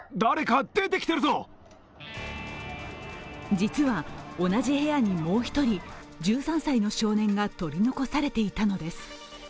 実は、同じ部屋にもう１人、１３歳の少年が取り残されていたのです。